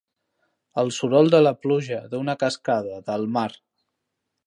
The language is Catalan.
El soroll de la pluja, d'una cascada, del mar.